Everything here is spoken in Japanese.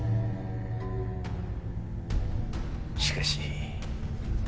しかし。